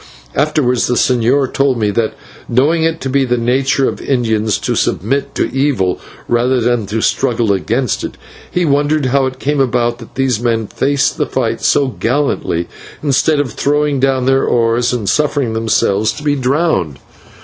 Afterwards the señor told me that, knowing it to be the nature of Indians to submit to evil rather than to struggle against it, he wondered how it came about that these men faced the fight so gallantly, instead of throwing down their oars and suffering themselves to be drowned.